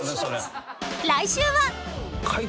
［来週は］